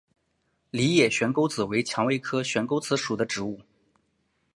梨叶悬钩子为蔷薇科悬钩子属的植物。